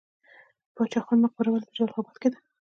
باچا خان مقبره ولې په جلال اباد کې ده؟